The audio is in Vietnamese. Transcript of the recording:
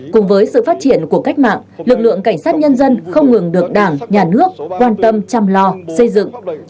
cùng với sự phát triển của cách mạng lực lượng cảnh sát nhân dân không ngừng được đảng nhà nước quan tâm chăm lo xây dựng